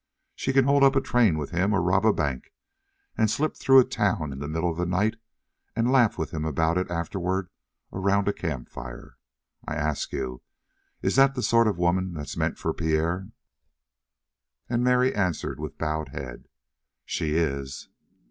She can hold up a train with him or rob a bank and slip through a town in the middle of the night and laugh with him about it afterward around a campfire. I ask you, is that the sort of a woman that's meant for Pierre?" And Mary answered, with bowed head: "She is."